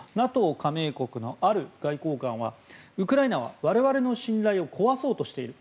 加盟国のある外交官はウクライナは我々の信頼を壊そうとしている。